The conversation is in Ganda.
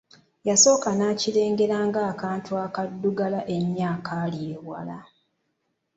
Nasooka ne nkirengera ng'akantu akaddugala ennyo akali ewala.